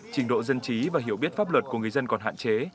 trình độ dân trí và hiểu biết pháp luật của người dân còn hạn chế